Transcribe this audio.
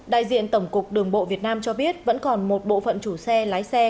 đại diện tổng cục đường bộ việt nam cho biết vẫn còn một bộ phận chủ xe lái xe